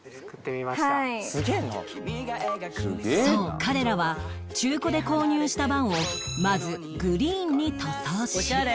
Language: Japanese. そう彼らは中古で購入したバンをまずグリーンに塗装し